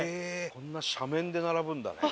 こんな斜面で並ぶんだね。